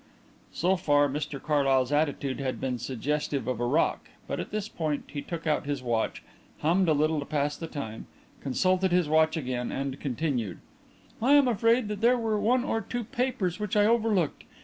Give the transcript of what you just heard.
So far Mr Carlyle's attitude had been suggestive of a rock, but at this point he took out his watch, hummed a little to pass the time, consulted his watch again, and continued: "I am afraid that there were one or two papers which I overlooked.